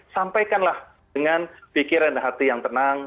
sampaikanlah dengan pikiran hati yang tenang